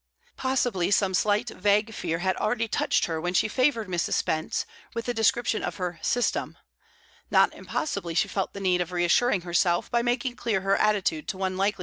Possibly some slight, vague fear had already touched her when she favoured Mrs. Spence with the description of her "system;" not impossibly she felt the need of reassuring herself by making clear her attitude to one likely to appreciate it.